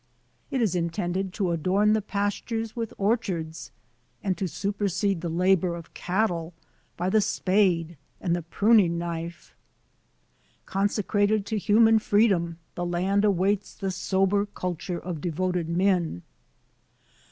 It is intended to adorn the pastures with orchards, and to super sede the labor of cattle by the spade and the pruning knife. "Consecrated to human freedom, the land ^ awaits the sober culture of devoted men.